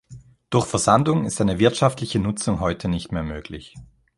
Durch Versandung ist eine wirtschaftliche Nutzung heute nicht mehr möglich.